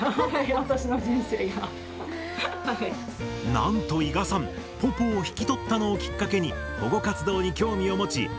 なんと伊賀さんポポを引き取ったのをきっかけに保護活動に興味を持ちえ。